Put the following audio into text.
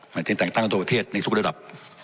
เรามีต่างตั้งตัวประเทศในทุกระดับ